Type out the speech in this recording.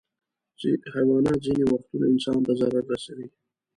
حیوانات ځینې وختونه انسان ته ضرر رسوي.